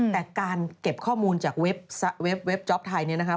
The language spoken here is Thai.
แต่การเก็บข้อมูลจากเว็บจ๊อปไทยเนี่ยนะครับ